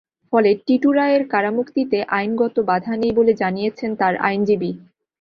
ফলে টিটু রায়ের কারামুক্তিতে আইনগত বাধা নেই বলে জানিয়েছেন তাঁর আইনজীবী।